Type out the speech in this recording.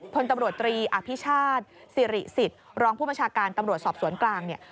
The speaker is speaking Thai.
พลตำรวจตรีอภิชาติสิริสิทธิ์รองผู้บัญชาการตำรวจสอบสวนกลางเนี่ย